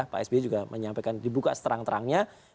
pak sby juga menyampaikan dibuka seterang terangnya